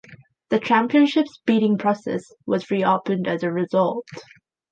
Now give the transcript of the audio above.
The championships bidding process was reopened as a result.